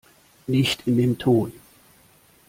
Nicht in dem Ton!